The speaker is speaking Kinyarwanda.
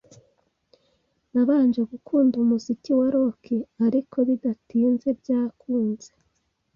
Nabanje gukunda umuziki wa rock, ariko bidatinze byankuze.